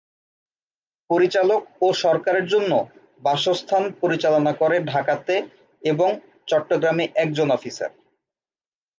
পরিচালক ও সরকারের জন্য বাসস্থান পরিচালনা করে ঢাকাতে এবং চট্টগ্রাম এ, একজন অফিসার।